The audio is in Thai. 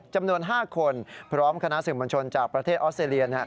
จำนวน๕คนพร้อมคณะสื่อมวลชนจากประเทศออสเตรเลีย